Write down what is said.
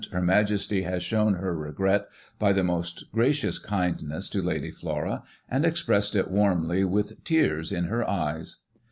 Her Majesty has shown her regret by the most gracious kindness to Lady Flora, and expressed it warmly, with 'tears in her eyes.'